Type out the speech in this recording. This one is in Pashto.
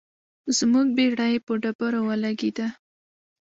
زموږ بیړۍ په ډبرو ولګیده.